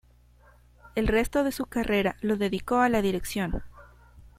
El resto de su carrera lo dedicó a la dirección.